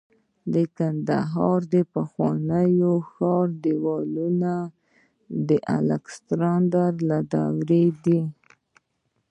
د کندهار د پخواني ښار دیوالونه د الکسندر دورې دي